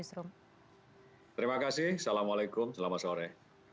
terima kasih assalamualaikum selamat sore